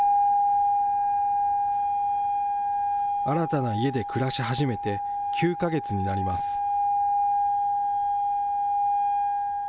新たな家で暮らし始めて、９か月になります。